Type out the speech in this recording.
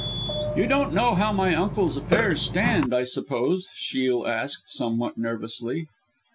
"You don't know how my uncle's affairs stand, I suppose?" Shiel asked somewhat nervously.